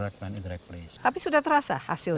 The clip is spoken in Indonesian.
tapi sudah terasa hasilnya